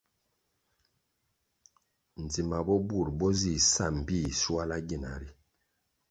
Djima bo bur bo nzih sa mbpih shuala gina ri.